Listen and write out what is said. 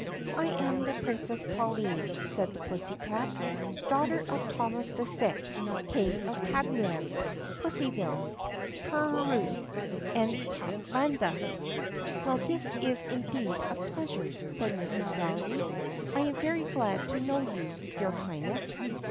"I am the Princess Pauline," said the pussycat, "daughter of Thomas VI, King of Tabbyland, Pussy ville, Purru, and Catlanta." "Well, this is indeed a pleasure!" said Mrs. Valery. "I am very glad to know you, your Highness."